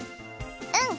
うん。